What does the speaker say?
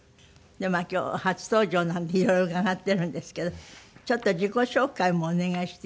今日初登場なのでいろいろ伺ってるんですけどちょっと自己紹介もお願いしていいですか？